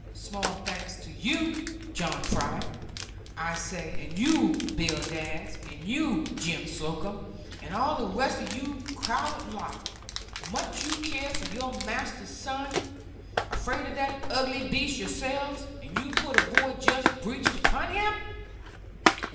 Small thanks to you, John Fry, I say, and you Bill Dadds, and you Jem Slocomb, and all the rest of your coward lot; much you care for your master's son! Afraid of that ugly beast yourselves, and you put a boy just breeched upon him!'